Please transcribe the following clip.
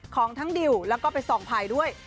ของทั้งดิวแล้วก็ไปส่องภัยด้วย